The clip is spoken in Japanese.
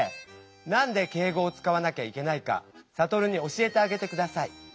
なんで敬語を使わなきゃいけないかサトルに教えてあげて下さい。